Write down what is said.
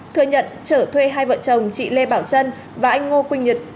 thừa nhận trở thuê hai vợ chồng chị lê bảo trân và anh ngô quỳnh nhật